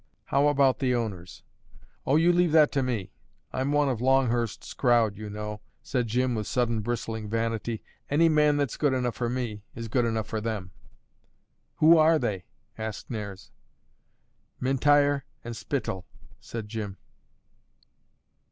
"How about the owners?" "O, you leave that to me; I'm one of Longhurst's crowd, you know," said Jim, with sudden bristling vanity. "Any man that's good enough for me, is good enough for them." "Who are they?" asked Nares. "M'Intyre and Spittal," said Jim.